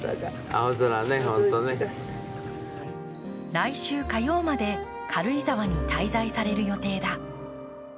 来週火曜まで軽井沢に滞在される予定だ。